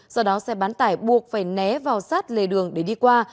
do đó xe bán tải buộc phải né vào sát lề đường để đi qua